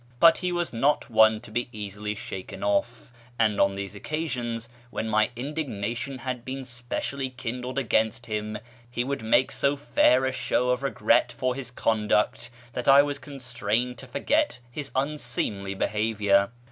But he was not one to be easily shaken off; and on these occasions, when my indignation had been specially kindled against him, he would make so fair a show of regret for his conduct that I was constrained to forget his unseemly behaviour.